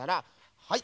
はい。